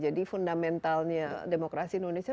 jadi fundamentalnya demokrasi indonesia